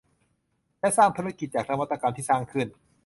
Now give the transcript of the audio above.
และสร้างธุรกิจจากนวัตกรรมที่สร้างขึ้น